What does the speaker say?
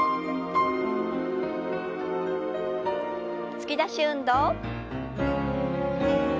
突き出し運動。